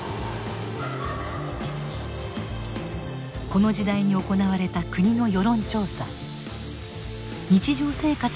この時代に行われた国の世論調査。